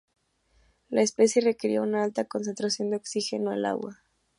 La especie requiere una alta concentración de oxígeno el agua.